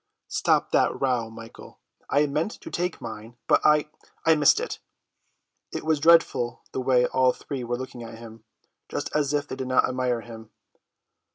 "Stop that row, Michael. I meant to take mine, but I—I missed it." It was dreadful the way all the three were looking at him, just as if they did not admire him.